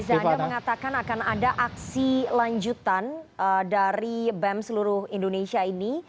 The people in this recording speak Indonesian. reza anda mengatakan akan ada aksi lanjutan dari bem seluruh indonesia ini